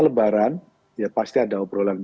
lebaran ya pasti ada obrolan